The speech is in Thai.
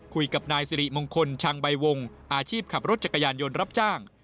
คุยกับนายสิริมงคลชังใบวงอาชีพขับรถจักรยานยนต์รับจ้าง